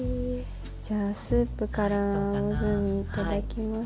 じゃあスープからいただきます。